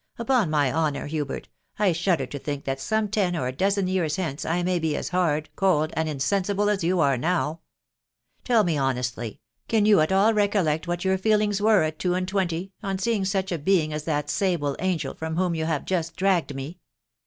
" Upon my honour, Hubert, I shudder to think . that some ten or a dozen years hence I may be as hard, cold, and insensible as you are now. .•, Tell me honestly, can you at all recollect what your feelings were at two and twenty on seeing such a being as that sable angel from whom you hare just dragged me